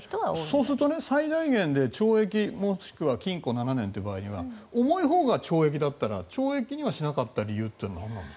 そうすると最大限で懲役もしくは禁錮７年というのは重いほうが懲役だったら懲役にしなかった理由は？